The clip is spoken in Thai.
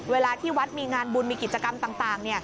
เวลาที่วัดมีงานบุญมีกิจกรรมต่าง